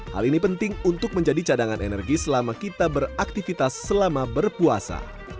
hal ini penting untuk menjadi cadangan energi selama kita beraktivitas selama berpuasa